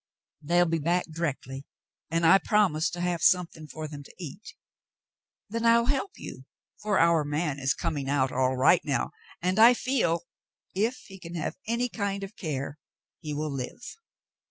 "They'll be back directly, and I promised to have something for them to eat." "Then I'll help you, for our man is coming out all right now, and I feel — if he can have any kind of care — he will live."